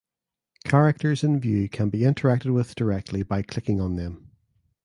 Characters in view can be interacted with directly by clicking on them.